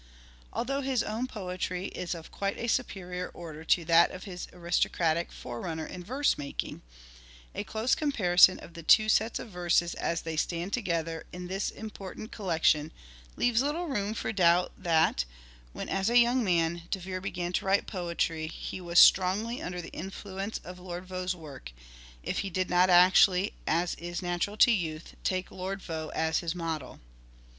Although his own poetry is of quite a superior order to that of his aristocratic forerunner in verse making, a close comparison of the two sets of verses as they stand together in this important collection leaves little room for doubt that, when as a young man De Vere began to write poetry he was strongly under Shakespeare the influence of Lord Vaux' work, if he did not actually, Lord Vaux. as is natural to youth, take Lord Vaux as his model.